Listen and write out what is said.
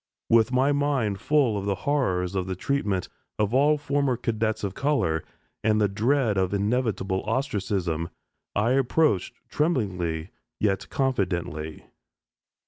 With my mind full of the horrors of the treatment of all former cadets of color, and the dread of inevitable ostracism, I approached tremblingly yet confidently.